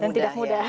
dan tidak mudah